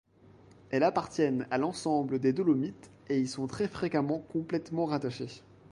Elles appartiennent à l'ensemble des Dolomites et y sont très fréquemment complètement rattachées.